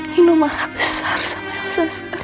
nino marah besar sama elsa sekarang